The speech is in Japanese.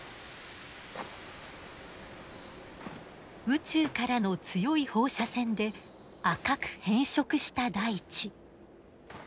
宇宙からの強い放射線で赤く変色した大地。